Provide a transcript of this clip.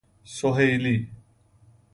سﮩیلی